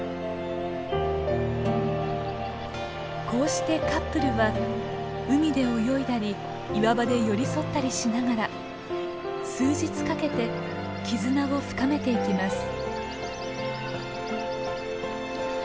こうしてカップルは海で泳いだり岩場で寄り添ったりしながら数日かけて絆を深めていきます。